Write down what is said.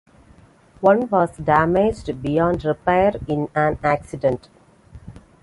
One was damaged beyond repair in an accident.